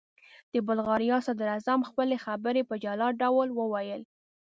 د بلغاریا صدراعظم خپلې خبرې په جلا ډول وویل.